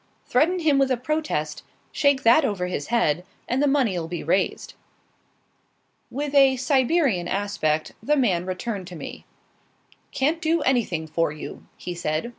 Threaten him with a protest; shake that over his head, and the money'll be raised." With a Siberian aspect, the man returned to me. "Can't do any thing for you," he said.